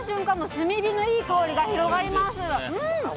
炭火のいい香りが広がります。